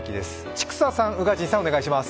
千種さん、宇賀神さん、お願いします。